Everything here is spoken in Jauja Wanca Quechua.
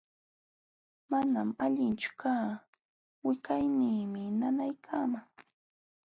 Manam allinchu kaa, wiqawniimi nanaykaaman.